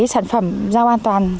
sản phẩm an toàn